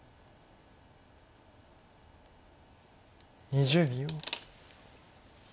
２０秒。